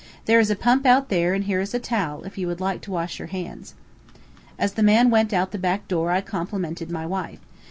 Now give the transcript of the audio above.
There is a pump out there, and here is a towel, if you would like to wash your hands." As the man went out the back door I complimented my wife.